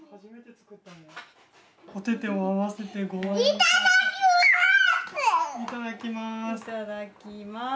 いただきます。